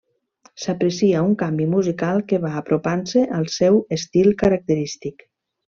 S'aprecia un canvi musical que va apropant-se al seu estil característic.